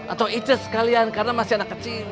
atau ices kalian karena masih anak kecil